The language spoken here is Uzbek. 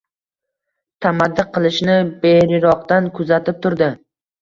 Tamaddi qilishini beriroqdan kuzatib turdi